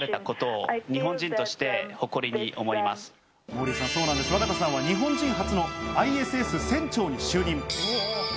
モーリーさん、そうなんです、若田さんは日本人初のＩＳＳ船長に就任。